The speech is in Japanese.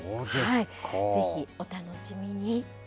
ぜひ、お楽しみに。